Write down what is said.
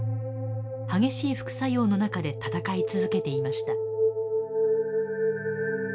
激しい副作用の中で闘い続けていました。